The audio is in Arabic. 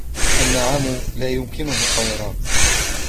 النعام لا يمكنه الطيران.